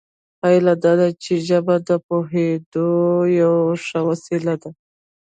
پایله دا ده چې ژبه د پوهاوي یوه ښه وسیله ده